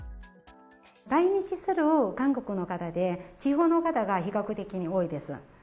来日する韓国の方で、地方の方が比較的に多いです。